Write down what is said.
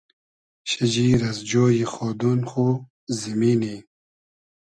شیجیر از جۉی خۉدۉن خو , زیمینی